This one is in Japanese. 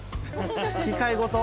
機械ごと？